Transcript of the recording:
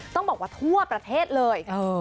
ต้องบอกว่าทั่วประเทศเลย